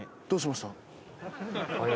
どうしました？